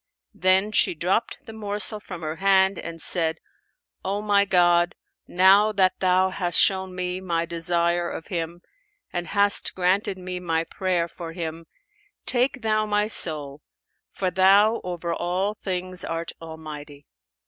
Then she dropped the morsel from her hand and said, 'O my God, now that Thou hast shown me my desire of him and hast granted me my prayer for him, take Thou my soul, for Thou over all things art Almighty!'